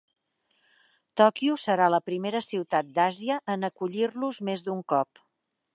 Tòquio serà la primera ciutat d'Àsia en acollir-los més d'un cop.